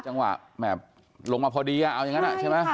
จังหวะแหม่ลงมาพอดีเอาอย่างนั้นใช่ไหม